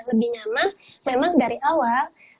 lebih nyaman memang dari awal